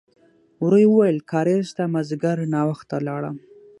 ورو يې وویل: کارېز ته مازديګر ناوخته لاړم.